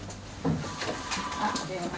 あっ、電話。